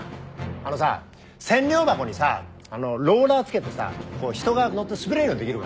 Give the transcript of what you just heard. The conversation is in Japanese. あのさ千両箱にさローラー付けてさ人が乗って滑れるようにできるかな。